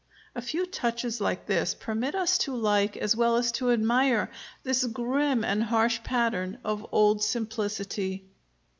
A few touches like this permit us to like, as well as to admire, this grim and harsh pattern of old simplicity.